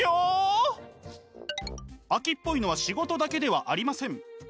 飽きっぽいのは仕事だけではありません。